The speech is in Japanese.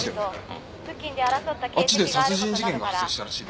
うんあっちで殺人事件が発生したらしいですよ